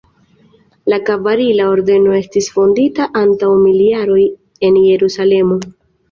La kavalira ordeno estis fondita antaŭ mil jaroj en Jerusalemo.